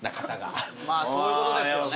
まあそういう事ですよね。